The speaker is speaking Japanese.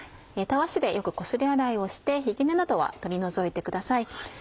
たわしでよくこすり洗いをしてひげ根などは取り除いてください。